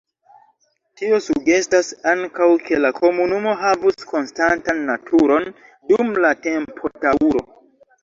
Tio sugestas ankaŭ, ke la komunumo havus konstantan naturon dum la tempodaŭro.